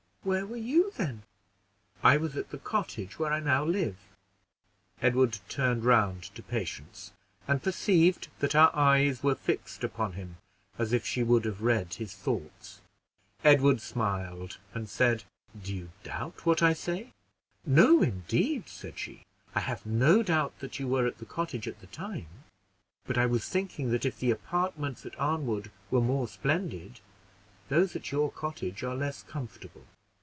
"Where were you then?" "I was at the cottage where I now live." Edward turned round to Patience, and perceived that her eyes were fixed upon him, as if she would have read his thoughts. Edward smiled, and said "Do you doubt what I say?" "No, indeed!" said she, "I have no doubt that you were at the cottage at the time; but I was thinking that if the apartments at Arnwood were more splendid, those at your cottage are less comfortable.